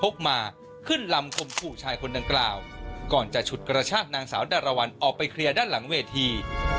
มาขึ้นลำข่มขู่ชายคนดังกล่าวก่อนจะฉุดกระชากนางสาวดารวรรณออกไปเคลียร์ด้านหลังเวที